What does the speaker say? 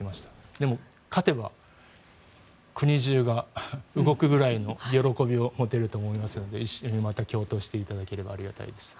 でも勝てば国中が動くぐらいの喜びを持てると思いますので一緒にまた共闘していただければありがたいです。